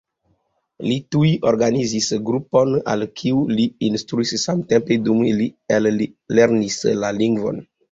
Li tuj organizis grupon al kiu li instruis samtempe dum li ellernis la lingvon.